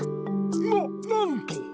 ななんと！